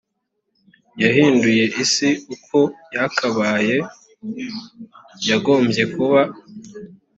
yahinduye isi uko yakabaye yagombye kuba